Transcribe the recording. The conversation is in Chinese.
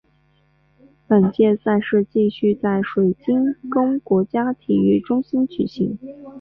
本届赛事继续在水晶宫国家体育中心举行。